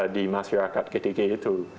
di masyarakat ketika itu